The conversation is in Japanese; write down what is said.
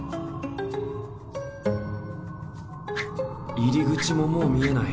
入り口ももう見えない。